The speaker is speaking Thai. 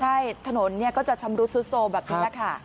ใช่ถนนก็จะชำรุดโซโซแบบนี้